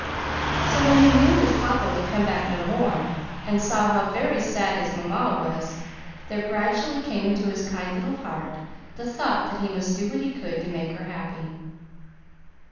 So when he knew his papa would come back no more, and saw how very sad his mamma was, there gradually came into his kind little heart the thought that he must do what he could to make her happy.